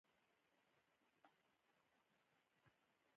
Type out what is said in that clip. د تعلیمي مډرنیزېشن په عکس العمل کې.